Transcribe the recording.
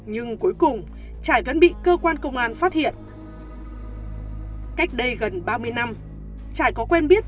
nhưng cuối cùng trải vẫn bị cơ quan công an phát hiện cách đây gần ba mươi năm trải có quen biết